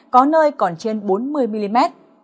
có nơi còn trên bốn mươi mm